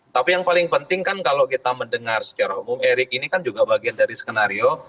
tapi yang paling penting kan kalau kita mendengar secara umum erik ini kan juga bagian dari skenario